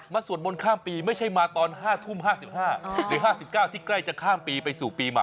สวดมนต์ข้ามปีไม่ใช่มาตอน๕ทุ่ม๕๕หรือ๕๙ที่ใกล้จะข้ามปีไปสู่ปีใหม่